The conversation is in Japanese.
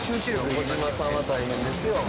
小島さんは大変ですよ。